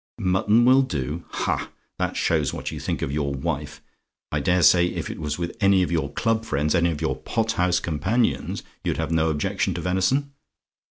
"MUTTON WILL DO? "Ha! that shows what you think of your wife: I dare say if it was with any of your club friends any of your pot house companions you'd have no objection to venison.